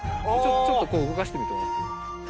ちょっとこう動かしてみてもらって。